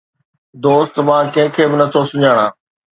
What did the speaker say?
دوست، مان ڪنهن کي به نٿو سڃاڻان